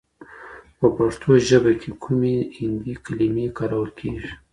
په پښتو ژبه کي کومې هندي کلمې کارول کیږي؟